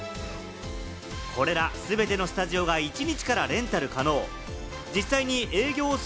これら全てのスタジオが、一日からレンタル可能。